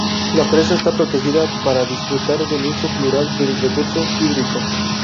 La presa está protegida para disfrutar del uso plural del recurso hídrico.